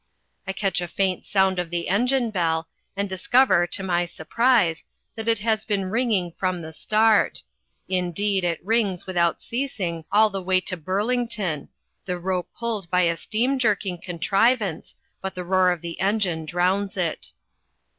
I catch a faint sound of the engine bell, and discover, to my surprise, that it has been ringing from the start indeed, it rings, without ceasing, all the way to Burlington, the rope pulled by a steam jerking contrivance, but the roar of the engine drowns it.